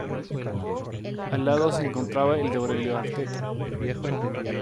Al lado se encontraba el de Aurelio Arteta.